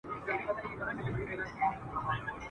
ګل اغزي څانګي اغزي دي ښکاري ایښي دي دامونه !.